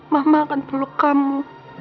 mama akan peluk kamu